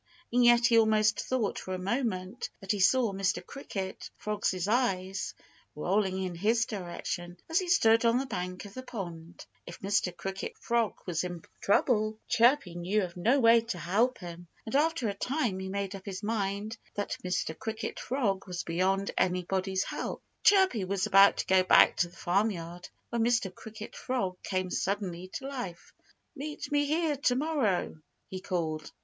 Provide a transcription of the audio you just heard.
And yet he almost thought, for a moment, that he saw Mr. Cricket Frog's eyes rolling in his direction, as he stood on the bank of the pond. If Mr. Cricket Frog was in trouble, Chirpy knew of no way to help him. And after a time he made up his mind that Mr. Cricket Frog was beyond anybody's help. Chirpy was about to go back to the farmyard when Mr. Cricket Frog came suddenly to life. "Meet me here to morrow!" he called.